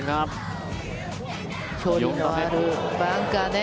距離のあるバンカーね。